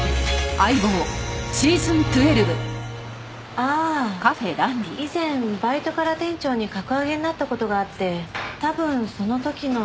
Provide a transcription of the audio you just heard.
ああ以前バイトから店長に格上げになった事があって多分その時の。